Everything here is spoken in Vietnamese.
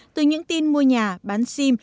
từ những tin mua nhà bán sim